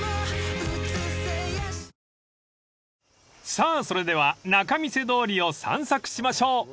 ［さあそれでは仲見世通りを散策しましょう］